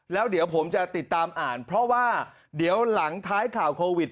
แล้วเดี๋ยวผมจะติดตามอ่านเพราะว่าเดี๋ยวหลังท้ายข่าวโควิด